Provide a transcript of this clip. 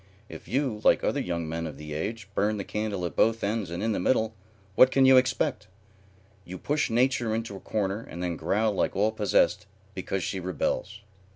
If you, like other young men of the age, burn the candle at both ends and in the middle, what can you expect? You push nature into a corner and then growl like all possessed because she rebels."